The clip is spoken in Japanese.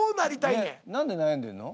ねっ何で悩んでんの？